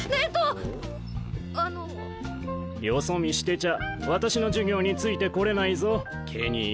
よそ見してちゃ私の授業について来れないぞケニー。